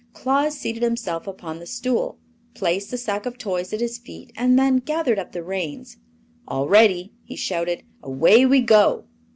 Claus seated himself upon the stool, placed the sack of toys at his feet, and then gathered up the reins. "All ready!" he shouted; "away we go!"